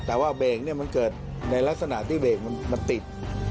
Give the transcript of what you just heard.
แต่ว่าเบรกเนี่ยมันเกิดในลักษณะที่เบรกมันติด